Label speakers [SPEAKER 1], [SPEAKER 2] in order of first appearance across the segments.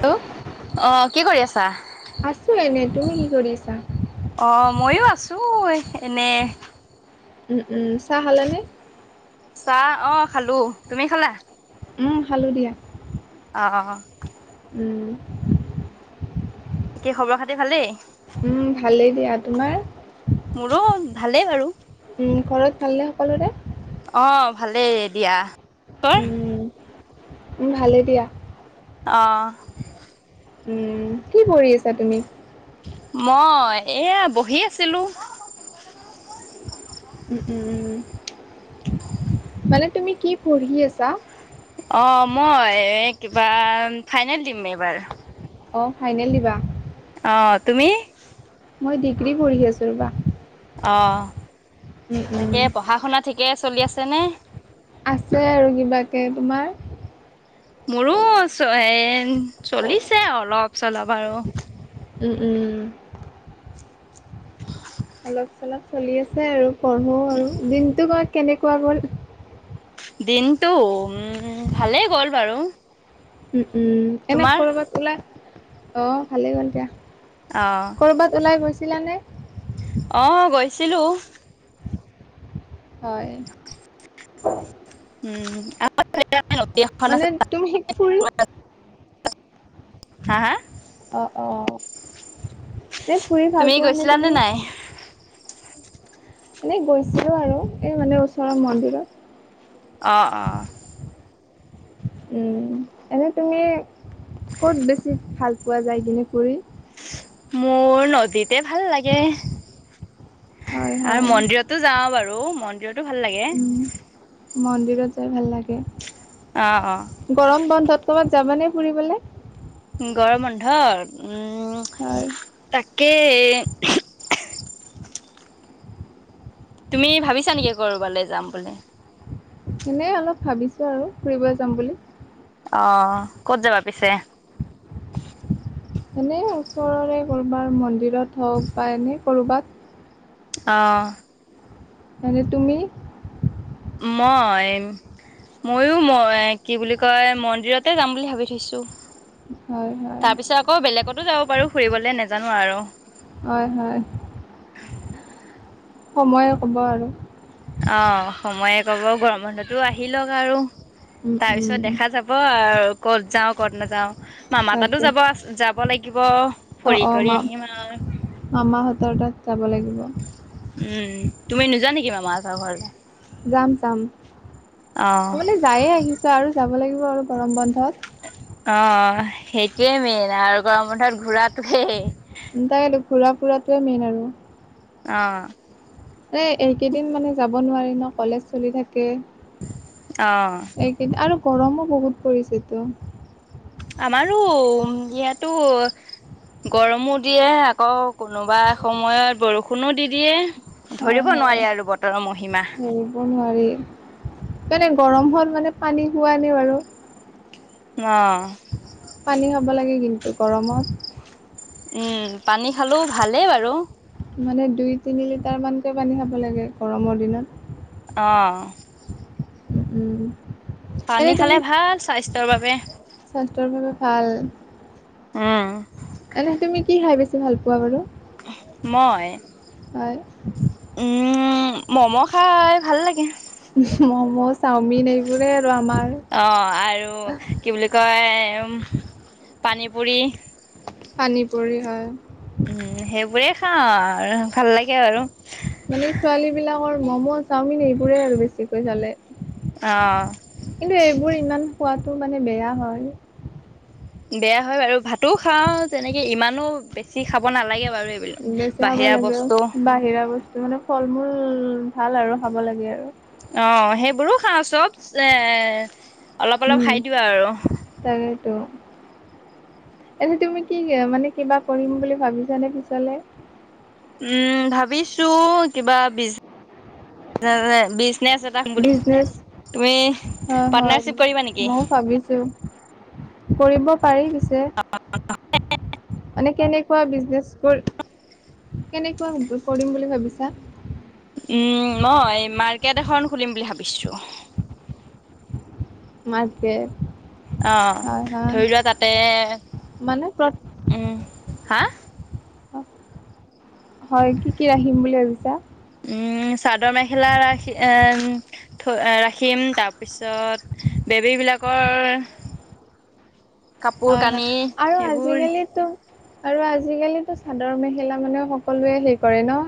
[SPEAKER 1] Hello
[SPEAKER 2] অ, কি কৰি আছা।
[SPEAKER 1] আছোঁ এনেই তুমি কি কৰিছা?
[SPEAKER 2] অ, ময়ো আছো। আছো এনে।
[SPEAKER 1] উম উম, চাহ খালোনে?
[SPEAKER 2] চাহ অ খালো তুমি খালা
[SPEAKER 1] উম খালোঁ দিয়া
[SPEAKER 2] অঁ।
[SPEAKER 1] উম।
[SPEAKER 2] কী খবৰ খাতি ভালেই?
[SPEAKER 1] উম, ভালেই দিয়া, তোমাৰ?
[SPEAKER 2] মোৰো ভালেই বাৰু।
[SPEAKER 1] ঘৰত ভাল নে সকলোৰে?
[SPEAKER 2] অ', ভালেই দিয়া, তই?
[SPEAKER 1] উম, উম, ভালে দিয়া।
[SPEAKER 2] অ',
[SPEAKER 1] উম, কি কৰি আছা তুমি?
[SPEAKER 2] মই এয়া বহি আছিলো।
[SPEAKER 1] উম, উম, মানে তুমি কি পঢ়ি আছা?
[SPEAKER 2] অঁ এ মই কিবা ফাইনেল দিম এইবাৰ।
[SPEAKER 1] অঁ ফাইনেল দিবা।
[SPEAKER 2] অ', তুমি?
[SPEAKER 1] মই ডিগ্ৰী পঢ়ি আছো, ৰবা।
[SPEAKER 2] অ',
[SPEAKER 1] উম, উম,
[SPEAKER 2] তাকে পহা হুনা ঠিকে চলি আছেনে?
[SPEAKER 1] আছে আৰু কিবাকে তোমাৰ?
[SPEAKER 2] মোৰো এ‌ চলিছে অলপ চলপ আৰু।
[SPEAKER 1] উম, উম, অলপ চলপ চলি আছে আৰু পঢ়ো আৰু, দিনটো কোৱা কেনেকুৱা গ'ল।
[SPEAKER 2] দিনটো, উম, ভালেই গ'ল বাৰু।
[SPEAKER 1] উম, উম, এনে
[SPEAKER 2] তোমাৰ
[SPEAKER 1] কৰবাত ওলা, অ', ভালেই গ'ল দিয়া।
[SPEAKER 2] অ',
[SPEAKER 1] কৰবাত ওলাই গৈছিলা নে?
[SPEAKER 2] অঁ গৈছিলো।
[SPEAKER 1] হয়।
[SPEAKER 2] উম,
[SPEAKER 1] মানে তুমি ফুৰি
[SPEAKER 2] [unintelligible] হা হা
[SPEAKER 1] অ', অ', দে ফুৰি
[SPEAKER 2] তুমি
[SPEAKER 1] ভাল পোৱা নে
[SPEAKER 2] গৈছিলানে
[SPEAKER 1] তুমি?
[SPEAKER 2] নাই?
[SPEAKER 1] এনেই গৈছিলো আৰু, এই মানে ওচৰৰ মন্দিৰত।
[SPEAKER 2] অ' অ'
[SPEAKER 1] উম এনেই তুমি ক'ত বেছি ভাল পোৱা যায় কিনি কৰি
[SPEAKER 2] মোৰ নদীত। তে ভাল লাগে,
[SPEAKER 1] হয়,
[SPEAKER 2] আৰু
[SPEAKER 1] হয়,
[SPEAKER 2] মন্দিৰতো যাওঁ বাৰু, মন্দিৰত টো ভাল লাগে।
[SPEAKER 1] উম, মন্দিৰত যাই ভাল লাগে,
[SPEAKER 2] অ', অ',
[SPEAKER 1] গৰম বন্ধত কৰবাত যাবানে ফুৰিবলে।
[SPEAKER 2] গৰম বন্ধত
[SPEAKER 1] হয়।
[SPEAKER 2] কি [unintelligible] তুমি ভাবিছা নেকি কৰবালৈ যাম বুলি?
[SPEAKER 1] এনে অলপ ভাবিছো আৰু ফুৰিব যাম বুলি।
[SPEAKER 2] অ', ক'ত যাবা পিছে?
[SPEAKER 1] এনে ওচৰৰে কৰ'বাৰ মন্দিৰত হওক বা এনে কৰ'বাত।
[SPEAKER 2] অ',
[SPEAKER 1] আৰু তুমি
[SPEAKER 2] মই ময়ো ম এ কি বুলি কয়, মন্দিৰতে যাম বুলি ভাবি থৈছো।
[SPEAKER 1] হয়, হয়।
[SPEAKER 2] তাৰ পিছত আকৌ বেলেগতো যাব পাৰো ফুৰিবলে নোজানো আৰু।
[SPEAKER 1] হয়, হয়। সময়ে ক'ব আৰু।
[SPEAKER 2] অঁ সময়ে ক'ব গৰম বন্ধতো আহি লওঁক আৰু।
[SPEAKER 1] উম,
[SPEAKER 2] তাৰ পিছত
[SPEAKER 1] উম,
[SPEAKER 2] দেখা যাব আৰু ক'ত যাও ক'ত নাযাও। মামা তাতো
[SPEAKER 1] তাকে।
[SPEAKER 2] যাব-যাব লাগিব
[SPEAKER 1] অ',
[SPEAKER 2] ফৰি
[SPEAKER 1] অ',
[SPEAKER 2] কৰি
[SPEAKER 1] মা
[SPEAKER 2] আহিম আৰু।
[SPEAKER 1] মামাহঁতৰ তাত যাব লাগিব।
[SPEAKER 2] উম তুমি নোযোৱা নেকি মামা হঁতৰ ঘৰলে
[SPEAKER 1] যাম যাম,
[SPEAKER 2] অ',
[SPEAKER 1] কবালে যায়ে আহিছো আৰু যাব লাগিব আৰু গৰম বন্ধত।
[SPEAKER 2] অঁ, সেইটোৱে মেইন আৰু গৰম বন্ধত ঘূৰাটোৱেই।
[SPEAKER 1] তাকে ত' ঘুৰা ফুৰাটোৱে মেইন আৰু
[SPEAKER 2] অ'হ
[SPEAKER 1] এ এইকেইদিন মানে যাব নোৱাৰি ন' কলেজ চলি থাক
[SPEAKER 2] অ',
[SPEAKER 1] এইকেই আৰু গৰমো বহুত পৰিছেতো।
[SPEAKER 2] আমাৰো ইয়াতো গৰমো দিয়ে, আকৌ কোনোবা সময়ত বৰষুণো দি দিয়ে।
[SPEAKER 1] হয়,
[SPEAKER 2] ধৰিব
[SPEAKER 1] হয়।
[SPEAKER 2] নোৱাৰি আৰু বতৰৰ মহিমা।
[SPEAKER 1] ধৰিব নোৱাৰি। মানে গৰম হল মানে পানী খোৱা নি বাৰু
[SPEAKER 2] অ',
[SPEAKER 1] পানী খাব লাগে কিন্তু গৰমত।
[SPEAKER 2] উম, পানী খালোঁ ভালে বাৰু।
[SPEAKER 1] মানে দুই তিনি লিটাৰ মানকৈ পানী খাব লাগে গৰমৰ দিনত।
[SPEAKER 2] অ',
[SPEAKER 1] উ উম
[SPEAKER 2] পানী
[SPEAKER 1] এনে
[SPEAKER 2] খালে
[SPEAKER 1] তুমি
[SPEAKER 2] ভাল স্বাস্থ্যৰ বাবে
[SPEAKER 1] স্বাস্থ্যৰ বাবে ভাল
[SPEAKER 2] উম,
[SPEAKER 1] এনে তুমি কি খাই বেছি ভাল পোৱা বাৰু?
[SPEAKER 2] মই,
[SPEAKER 1] হয়
[SPEAKER 2] উম মম' খাই ভাল লাগে।
[SPEAKER 1] মম' চাওমিন এইবোৰে আৰু আমাৰ
[SPEAKER 2] অ আৰু কি বুলি কয় পানী পুৰি
[SPEAKER 1] পানীপুৰি হয়,
[SPEAKER 2] উম, সেইবোৰে খাওঁ আৰু ভাল লাগে আৰু।
[SPEAKER 1] ৰুল ম'ম' চাওমিন এইবোৰে আৰু বেছিকৈ চলে।
[SPEAKER 2] অ
[SPEAKER 1] কিন্তু এইবোৰ ইমান খোৱাটো মানে বেয়া হয়।
[SPEAKER 2] বেয়া হয় বাৰু ভাতো খাও, তেনেকে ইমানো বেছি খাব নালাগে বাৰু। এইবিলাক
[SPEAKER 1] বেছি খাব
[SPEAKER 2] বাহিৰা
[SPEAKER 1] লাগে
[SPEAKER 2] বস্তু
[SPEAKER 1] বাহিৰা বস্তু মানে ফল মূল। ভাল আৰু খাব লাগে আৰু।
[SPEAKER 2] অ', সেইবোৰো খাওঁ চব এ অলপ অলপ খাই দিওঁ আৰু।
[SPEAKER 1] ত' এনেই তুমি কি মানে কিবা কৰিম বুলি ভাবিছানে পিছলে?
[SPEAKER 2] উম, ভাবিছোঁ কিবা বিজ, আহ বিজ নেছ এটা খুলিম
[SPEAKER 1] বিজনেচ
[SPEAKER 2] বুলি। তুমি,
[SPEAKER 1] হয় হয়
[SPEAKER 2] পাৰ্টনাৰশ্বিপ কৰিবা নেকি?
[SPEAKER 1] ময়ো ভাবিছো কৰিব পাৰি। পিছে
[SPEAKER 2] [inaudible]
[SPEAKER 1] মানে কেনেকুৱা বিজনেছ কৰ, কেনেকুৱা কৰিম বুলি ভাবিছা?
[SPEAKER 2] উম, মই মাৰ্কেট এখন খুলিম বুলি ভাবিছো।
[SPEAKER 1] মাতকে
[SPEAKER 2] অ, ধৰি লোৱা তাতে
[SPEAKER 1] মানে
[SPEAKER 2] উম, হা?
[SPEAKER 1] অ, হয় কি-কি ৰাখিম বুলি ভাবিছা?
[SPEAKER 2] চাদৰ মেখেলা ৰাখি থ ৰাখিম তাৰপিছত। বেবী বিলাকৰ কাপোৰ
[SPEAKER 1] হয়,
[SPEAKER 2] কানি
[SPEAKER 1] হয় আৰু
[SPEAKER 2] সেইবোৰ
[SPEAKER 1] আজিকালোটো আৰু আজিকালিটো চাদৰ মেখেলা মানে সকলোৱে হেৰি কৰে ন।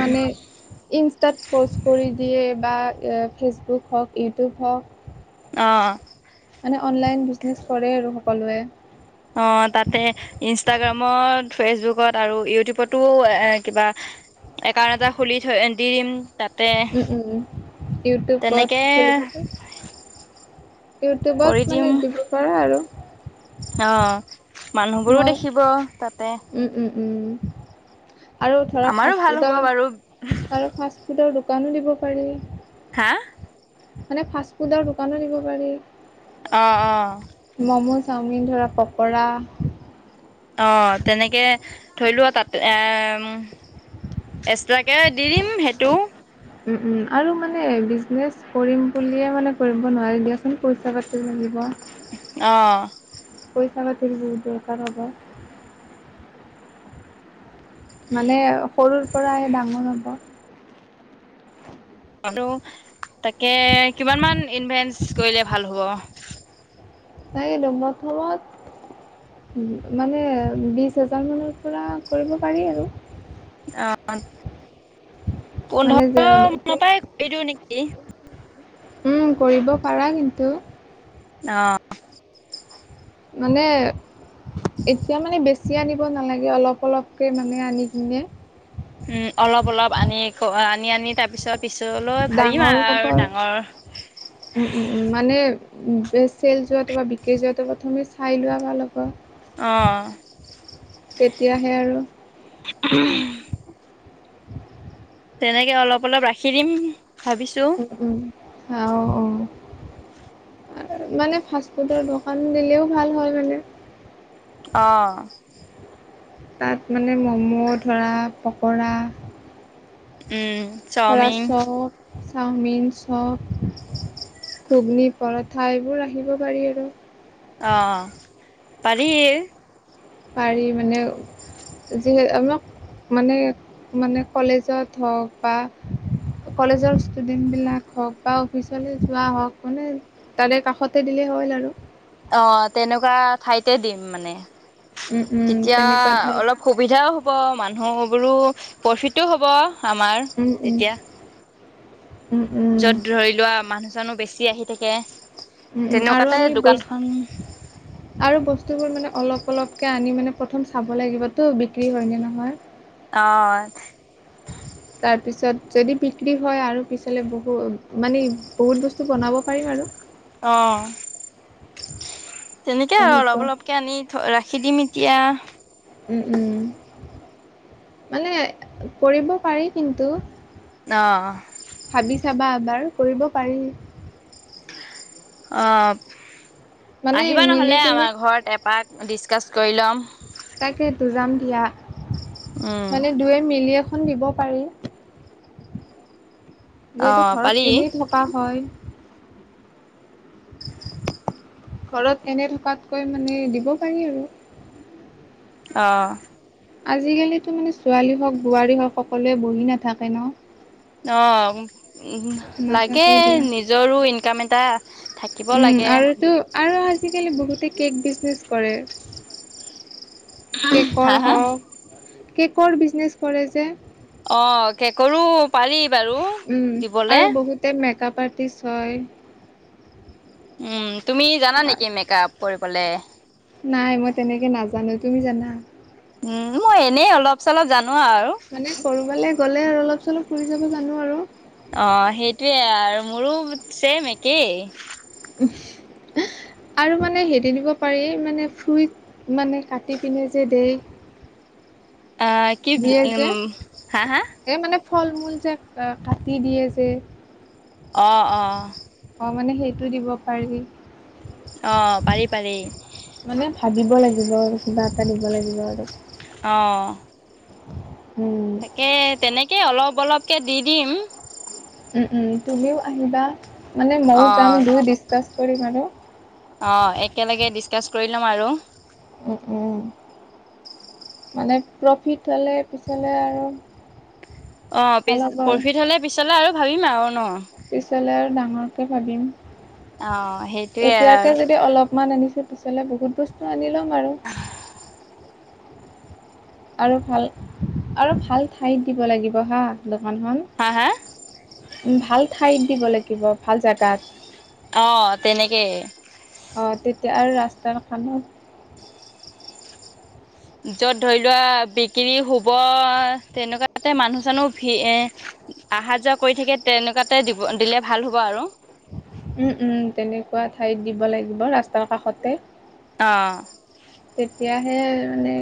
[SPEAKER 1] মানে ইনষ্টাত প'ষ্ট কৰি দিয়ে বা ফেচবুক হওক ইউটিউব হওক।
[SPEAKER 2] [unintelligible]
[SPEAKER 1] মানে অনলাইন বিজনেছ কৰে আৰু সকলোৱে।
[SPEAKER 2] অ, তাতে ইনষ্টাগ্ৰামত ফেচবুকত আৰু ইউটিউবতো এ কিবা একাউণ্ট এটা খুলি থৈ, দিম। তাতে
[SPEAKER 1] উম, উম, উম, ইউটিউবত খুলিব
[SPEAKER 2] তেনেকে
[SPEAKER 1] পাৰি।
[SPEAKER 2] কৰি
[SPEAKER 1] ইউটিউবত
[SPEAKER 2] দিম
[SPEAKER 1] মানে দিব পাৰা আৰু।
[SPEAKER 2] অ, মানুহবোৰো
[SPEAKER 1] মই
[SPEAKER 2] দেখিব তাতে।
[SPEAKER 1] উম, উম, আৰু ধৰা
[SPEAKER 2] আমাৰো ভাল হ'ব
[SPEAKER 1] ফাষ্টফুডৰ
[SPEAKER 2] বাৰু
[SPEAKER 1] আৰু ফাষ্টফুডৰ দোকানো দিব পাৰি।
[SPEAKER 2] হা।
[SPEAKER 1] মানে ফাষ্ট ফুডৰ দোকানো দিব পাৰি।
[SPEAKER 2] অ অ
[SPEAKER 1] ম'ম', চাওমিন ধৰা পকৰা।
[SPEAKER 2] অ তেনেকে ধৰি লোৱা তাতে এম এক্সট্ৰাকে দি দিম সেইটো।
[SPEAKER 1] উম, উম আৰু মানে বিজনেচ কৰিম বুলিয়ে মানে কৰিব নোৱাৰি দিয়াচোন, পইচা পাতি লাগিব।
[SPEAKER 2] অ,
[SPEAKER 1] পইছা-পাতিৰো বহুত দৰকাৰ হ'ব। মানে সৰুৰ পৰা ডাঙৰ হ'ব।
[SPEAKER 2] আৰু তাকে কিমান মান ইনভেষ্ট কৰিলে ভাল হ'ব।
[SPEAKER 1] তাই দৰমহা সোমোৱাত মানে বিচ্ছ হাজাৰ মানৰ পৰা কৰিব পাৰি আৰু।
[SPEAKER 2] অ',
[SPEAKER 1] মানে যে
[SPEAKER 2] পোন্ধৰ
[SPEAKER 1] তুম
[SPEAKER 2] মানৰ পৰাই কৰি দিও নেকি।
[SPEAKER 1] উম, কৰিব পাৰা কিন্তু!
[SPEAKER 2] অ।
[SPEAKER 1] মানে এতিয়া মানে বেছি বেছি আনিব নালাগে অলপ অলপকৈ মানে আনি কিনে।
[SPEAKER 2] আনি-আনি তাৰ পিছত
[SPEAKER 1] ডাঙৰ হ'ব উম, উম, উম মানে চেল যোৱাটো বা বিক্ৰী যোৱাটো প্ৰথমে চাই লোৱা ভাল হ
[SPEAKER 2] অহ।
[SPEAKER 1] তেতিয়াহে আৰু
[SPEAKER 2] তেনেকে অলপ অলপ ৰাখি দিম ভাবিছো।
[SPEAKER 1] আহ অ। মানে ফাষ্টফুডৰ দোকান দিলেও ভাল হয় মানে।
[SPEAKER 2] অহ।
[SPEAKER 1] তাত মানে মম' ধৰা পকৰা,
[SPEAKER 2] উম।
[SPEAKER 1] ধৰা
[SPEAKER 2] চাওমিন
[SPEAKER 1] চপ, চাওমিন, চপ। ঘুগ্নি, পৰঠা এইবোৰ ৰাখিব পাৰি আৰু।
[SPEAKER 2] অ, পাৰি।
[SPEAKER 1] পাৰি মানে যিহেতু আমি মানে, মানে কলেজত হওঁক বা কলেজৰ ষ্টুডেন্ট বিলাক হওক বা অফিচলে যোৱা হওক মানে তাৰে কাষতে দিলে হ'ল আৰু
[SPEAKER 2] অ তেনেকুৱা ঠাইতে দিম মানে
[SPEAKER 1] উম উম
[SPEAKER 2] তেতিয়া
[SPEAKER 1] তেনেকুৱা ঠাইত
[SPEAKER 2] অলপ সুবিধাও হ'ব মানুহ বোৰো প্ৰফিটো হ'ব আমাৰ
[SPEAKER 1] উম উম
[SPEAKER 2] তেতিয়া
[SPEAKER 1] উম উম
[SPEAKER 2] য'ত ধৰি লোৱা মানুহ চানো বেছি আহি থাকে।
[SPEAKER 1] উম উম আৰু
[SPEAKER 2] তেনেকুৱাতে
[SPEAKER 1] আমি ব
[SPEAKER 2] দোকানখন
[SPEAKER 1] আৰু বস্তুবোৰ মানে অলপ অলপ তাকে আনি মানে প্ৰথম চাব লাগিবতো বিক্ৰী হয় নে নহয়
[SPEAKER 2] অ
[SPEAKER 1] তাৰপিছত যদি বিক্ৰী হয় আৰু পিছলৈ বহু মানে বহুত বস্তু বনাব পাৰিম আৰু
[SPEAKER 2] অ', তেনেকে আৰু
[SPEAKER 1] তেনেকুৱা
[SPEAKER 2] অলপ অলপকে আনি থ ৰাখ সি দিম এতিয়া
[SPEAKER 1] উম উম মানে কৰিব পাৰি কিন্তু
[SPEAKER 2] অ
[SPEAKER 1] ভাবি চাবা এবাৰ কৰিব পাৰি
[SPEAKER 2] অ
[SPEAKER 1] মানে
[SPEAKER 2] আহিবা
[SPEAKER 1] মিলি
[SPEAKER 2] নহলে
[SPEAKER 1] কিনে
[SPEAKER 2] আমাৰ ঘৰত এপাক ডিছকাছ কৰি ল'ম
[SPEAKER 1] তাকেটো যাম দিয়া
[SPEAKER 2] উম
[SPEAKER 1] মানে দুয়ে মিলিয়ে দিব পাৰি
[SPEAKER 2] অ
[SPEAKER 1] যিহেতু ঘৰত
[SPEAKER 2] পাৰি
[SPEAKER 1] এনেই থকা হয় ঘৰত এনে থকাতকৈ মানে দিব পাৰি আৰু
[SPEAKER 2] অ
[SPEAKER 1] আজিকালিতো মানে ছোৱালী হওক বোৱাৰী হওক সকলোৱে বহি নাথাকে ন
[SPEAKER 2] অ লাগে
[SPEAKER 1] নাথাকে দিয়া
[SPEAKER 2] নিজৰো ইনকাম এটা থাকিব
[SPEAKER 1] উম
[SPEAKER 2] লাগে।
[SPEAKER 1] আৰুতো আৰু আজিকালি বহুতে কেক বিজনেচ কৰে
[SPEAKER 2] হা
[SPEAKER 1] কেকৰ
[SPEAKER 2] হা
[SPEAKER 1] হওক কেকৰ বিজনেচ কৰে যে
[SPEAKER 2] অ কেকৰো পাৰি বাৰু দিবলে
[SPEAKER 1] কাপাৰটিছ হয়
[SPEAKER 2] উম তুমি জানা নেকি মেক আপ কৰিবলে
[SPEAKER 1] নাই মই তেনেকে নাজানো তুমি জানা
[SPEAKER 2] উম মই এনেই অলপ চলপ জানো আৰু।
[SPEAKER 1] মানে কৰবালৈ গ'লে আৰু অলপ চলপ ফুৰি যাব জানো আৰু
[SPEAKER 2] অ', সেইটোৱে আৰু মোৰো ছেম একেই
[SPEAKER 1] উ আহ আৰু মানে হেৰি দিব পাৰি মানে ফ্ৰুইট, মানে কাটি পিনে যে দেই।
[SPEAKER 2] [unintelligible] অ', কি
[SPEAKER 1] দিয়ে
[SPEAKER 2] উম,
[SPEAKER 1] যে
[SPEAKER 2] হা হা?
[SPEAKER 1] এই মানে ফল মূল যে কাটি দিয়ে যে
[SPEAKER 2] অ অ
[SPEAKER 1] অ মানে সেইটো দিব পাৰি
[SPEAKER 2] অ', পাৰি পাৰি
[SPEAKER 1] মানে ভাবিব লাগিব আৰু কিবা এটা দিব লাগিব আৰু
[SPEAKER 2] অঁ
[SPEAKER 1] উম।
[SPEAKER 2] তাকে তেনেকেই অলপ অলপকৈ দি দিম
[SPEAKER 1] উম উম তুমিও আহিবা মানে মইও যাম দুই ডিচকাচ কৰিম আৰু
[SPEAKER 2] অঁ একেলগে ডিছকাছ কৰি ল'ম আৰু
[SPEAKER 1] উ উম মানে প্ৰফিট হ'লে পিছলে আৰু
[SPEAKER 2] অ পি
[SPEAKER 1] ভাল হ'ব
[SPEAKER 2] প্ৰফিট হলে পিছলে আৰু ভাবিম আৰু ন
[SPEAKER 1] পিছালে আৰু ডাঙৰকে ভাবিম
[SPEAKER 2] অ সেইটোৱে
[SPEAKER 1] এতিয়াকে
[SPEAKER 2] আৰু
[SPEAKER 1] যদি অলপমান আনিছিলো তাৰ পিছলৈ বহুত বস্তু আনি ল'ম আৰু আৰু ভাল আৰু ভাল ঠাইত দিব লাগিব হা।
[SPEAKER 2] হা হা
[SPEAKER 1] দোকানখন ভাল ঠাইত দিব লাগিব ভাল জাগাত।
[SPEAKER 2] অ, তেনেকেই।
[SPEAKER 1] অ, তেতিয়া আৰু ৰাস্তা কথা নহ
[SPEAKER 2] য'ত ধৰি লোৱা বিক্ৰী হুব তেনেকুৱাতে মানুহ চানুহ ভি এ আহা যোৱা কৰি থাকে তেনেকুৱাতে দিব, দিলে ভাল হ'ব আৰু।
[SPEAKER 1] উম-উম তেনেকুৱা ঠাইত দিব লাগিব ৰাস্তাৰ কাষতে।
[SPEAKER 2] অঁ
[SPEAKER 1] তেতিয়াহে মানে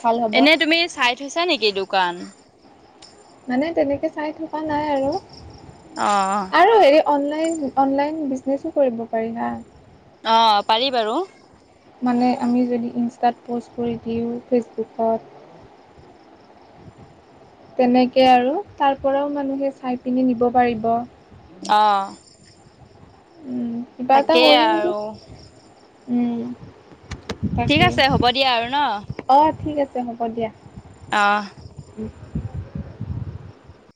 [SPEAKER 1] ভাল হ'ব
[SPEAKER 2] এনেই তুমি চাই থৈছা নেকি দোকান?
[SPEAKER 1] মানে তেনেকে চাই থকা নাই আৰু।
[SPEAKER 2] অ', অ',
[SPEAKER 1] আৰু হেৰি অনলাইন, অনলাইন বিজনেছো কৰিব পাৰি না?
[SPEAKER 2] অহ, পাৰি বাৰু।
[SPEAKER 1] তাত প'ষ্ট কৰি দিওঁ ফেচবুকত। তেনেকে আৰু তাৰ পৰাও মানুহে চাই পিনি নিব পাৰিব।
[SPEAKER 2] আহ
[SPEAKER 1] উম, কিবা এটা
[SPEAKER 2] তাকেই
[SPEAKER 1] কৰিম
[SPEAKER 2] আৰু
[SPEAKER 1] উম,
[SPEAKER 2] ঠিক
[SPEAKER 1] তাকেই
[SPEAKER 2] আছে হ'ব দিয়া আৰু ন
[SPEAKER 1] অ ঠিক আছে হ'ব দিয়া।
[SPEAKER 2] আহ।
[SPEAKER 1] [unintelligible]